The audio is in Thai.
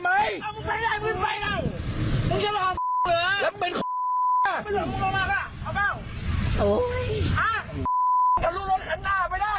มึงไปได้มึงไปแล้วมึงจะหล่อเหนือแล้วมึงเป็นเอาเปล่า